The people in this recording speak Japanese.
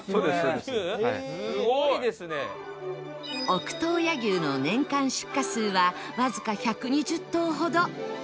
奥洞爺牛の年間出荷数はわずか１２０頭ほど